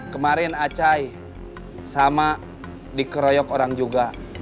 kemarin acai sama dikeroyok orang juga